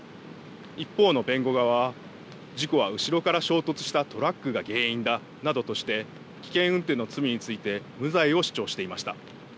一方の弁護側は事故は後ろから衝突したトラックが原因だなどとして危険運転の罪について無罪を主張していました。